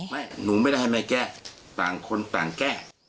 หนูไม่ได้ให้แม่แก้ต่างคนต่างแก้